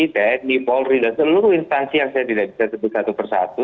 tni polri dan seluruh instansi yang saya tidak bisa sebut satu persatu